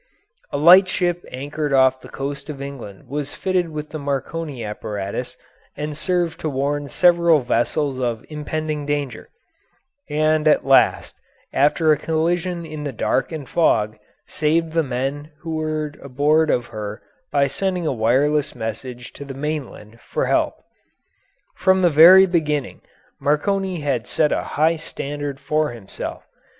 [Illustration: THE WIRELESS TELEGRAPH STATION AT GLACÉ BAY] A lightship anchored off the coast of England was fitted with the Marconi apparatus and served to warn several vessels of impending danger, and at last, after a collision in the dark and fog, saved the men who were aboard of her by sending a wireless message to the mainland for help. From the very beginning Marconi had set a high standard for himself.